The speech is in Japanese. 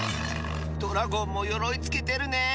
ドラゴンもよろいつけてるね。